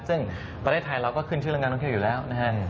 ซึ่งประเทศไทยเราก็ขึ้นชื่อเรื่องการท่องเที่ยวอยู่แล้วนะครับ